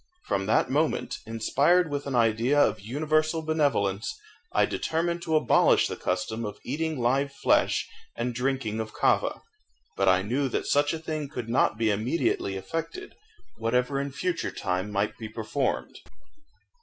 From that moment, inspired with an idea of universal benevolence, I determined to abolish the custom of eating live flesh and drinking of kava. But I knew that such a thing could not be immediately effected, whatever in future time might be performed.